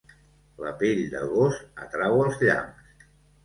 La pell de gos atrau els llamps.